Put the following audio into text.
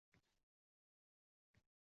Biz shunday kelishganmiz